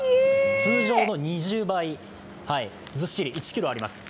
通常の２０倍ずっしり１ｋｇあります。